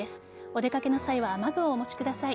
お出掛けの際は雨具をお持ちください。